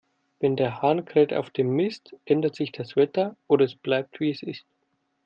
Wenn der Hahn kräht auf dem Mist, ändert sich das Wetter, oder es bleibt, wie es ist.